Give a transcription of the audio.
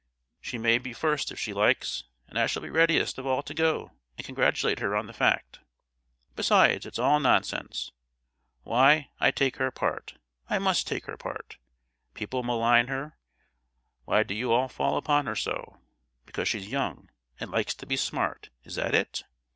She may be first, if she likes, and I shall be readiest of all to go and congratulate her on the fact. Besides, it's all nonsense! Why, I take her part; I must take her part. People malign her; why do you all fall upon her so? Because she's young, and likes to be smart; is that it?